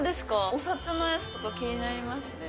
お札のやつとか気になりますね。